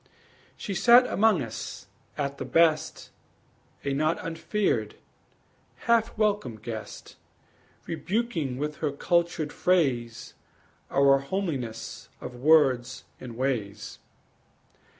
She sat among us, at the best, A not unfeared, half welcome guest, Rebuking with her cultured phrase Our homeliness of words and ways.